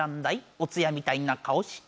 お通夜みたいな顔して。